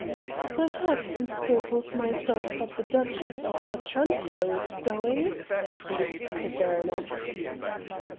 "I had some scruples myself, but the Duchess of Otranto is going," lisped the baroness.